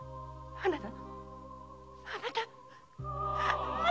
あなたぁ‼